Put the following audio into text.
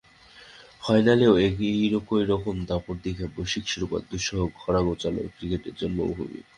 ফাইনালেও একই রকম দাপট দেখিয়ে বৈশ্বিক শিরোপার দুঃসহ খরা ঘোচাল ক্রিকেটের জন্মভূমি।